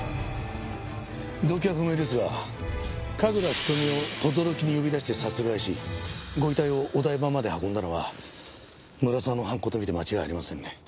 動機は不明ですが神楽瞳を等々力に呼び出して殺害しご遺体をお台場まで運んだのは村沢の犯行とみて間違いありませんね。